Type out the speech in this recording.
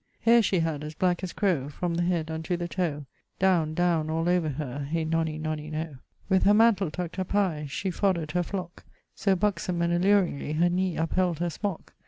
Haire she had as black as crowe From the head unto the toe Downe, downe, all over her Hye nonny nonny noe. With her mantle tuck't up high She foddered her flock So bucksome and alluringly, Her knee upheld her smock.